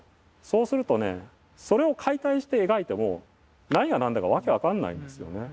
そうするとねそれを解体して描いても何が何だか訳分かんないんですよね。